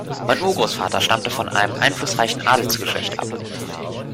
Mein Urgroßvater stammte von einem einflussreichen Adelsgeschlecht ab.